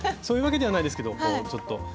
そういうわけではないですけどこうちょっと。